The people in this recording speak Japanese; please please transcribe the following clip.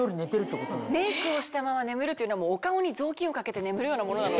メイクをしたまま眠るというのはお顔に雑巾をかけて眠るようなものなので。